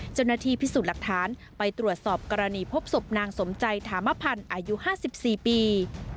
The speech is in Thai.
เจ้าหน้าที่พิสูจน์หลักฐานไปตรวจสอบกรณีพบศพนางสมใจถามพันธ์อายุ๕๔ปี